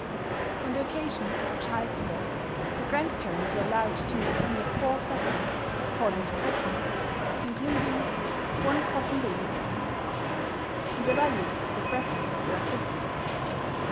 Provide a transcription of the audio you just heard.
On the occasion of a child's birth, the grandparents were allowed to make only four presents (according to custom), including "one cotton baby dress"; and the values of the presents were fixed.